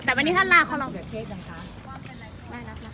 แต่วันนี้ถ้าน่าข้อลองเดี๋ยวเช่นกันครับ